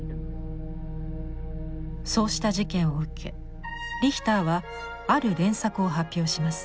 そうした事件を受けリヒターはある連作を発表します。